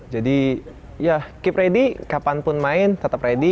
jadi ya keep ready kapanpun main tetap ready